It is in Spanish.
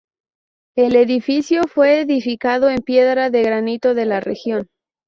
El edificio fue edificado en piedra de granito de la región.